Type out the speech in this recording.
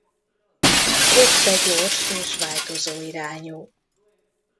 Röpte gyors és változó irányú.